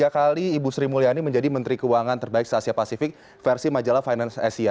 tiga kali ibu sri mulyani menjadi menteri keuangan terbaik se asia pasifik versi majalah finance asia